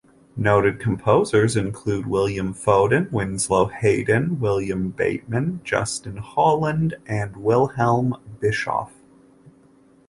Noted composers include William Foden, Winslow Hayden, William Bateman, Justin Holland, and Wilhelm Bischoff.